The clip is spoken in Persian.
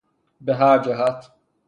به هر جهت